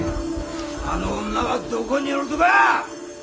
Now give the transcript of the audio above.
あの女はどこにおるとか！？